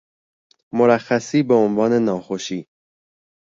مرخصی بعنوان ناخوشی